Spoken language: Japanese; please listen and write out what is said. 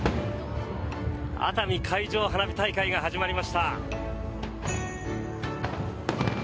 熱海海上花火大会が始まりました。